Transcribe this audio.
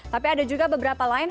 tapi ada juga beberapa lain